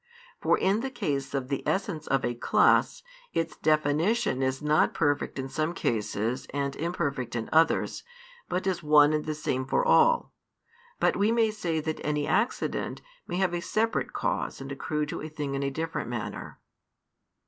For in the case of the essence of a class, its definition is not perfect in some cases and imperfect in others, but is one and the same for all. But we may say that any accident may have a separate cause and accrue to a thing in a different manner.